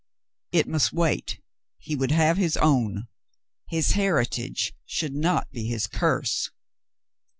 It must wait ! He would have his own. His heritage should not be his curse.